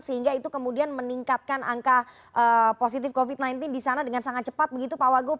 sehingga itu kemudian meningkatkan angka positif covid sembilan belas di sana dengan sangat cepat begitu pak wagub